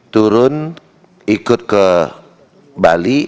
turun ikut ke bali